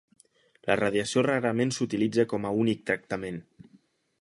La radiació rarament s'utilitza com a únic tractament.